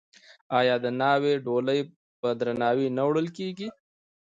آیا د ناوې ډولۍ په درناوي نه وړل کیږي؟